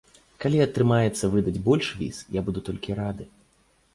Калі атрымаецца выдаць больш віз, я буду толькі рады.